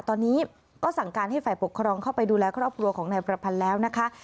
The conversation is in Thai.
ตอนนี้ก็สั่งการให้ฝ่ายปกครองเข้าไปดูแลครอบครัวของนายประพันธ์แล้วนะคะ